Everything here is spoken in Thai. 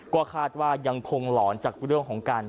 ก็คาดว่ายังคงหลอนจากเรื่องของการ